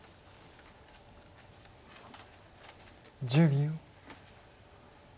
１０秒。